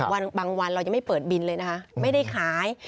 บางวันเรายังไม่เปิดบินเลยนะคะไม่ได้ขาย